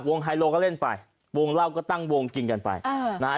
วงไทเล่าก็เล่นไปวงเล่าก็ตั้งวงกินกันไปอ่า